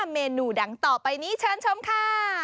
เมนูดังต่อไปนี้เชิญชมค่ะ